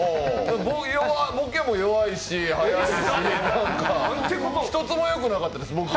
ボケも弱いし、１つもよくなかったです。